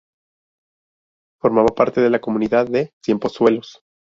Formaba parte de la comunidad de Ciempozuelos.